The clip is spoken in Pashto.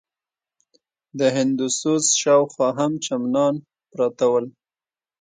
د هندوسوز شاوخوا هم چمنان پراته ول.